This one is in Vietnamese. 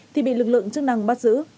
thì bị lực lượng chức năng bắt giữ